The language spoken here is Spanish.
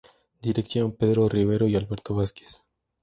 Dirección: Pedro Rivero y Alberto Vázquez.